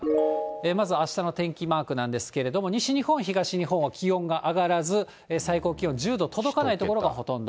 まずあしたの天気マークなんですけれども、西日本、東日本は気温が上がらず、最高気温１０度届かない所がほとんど。